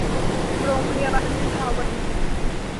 โรงพยาบาลวิภาวดี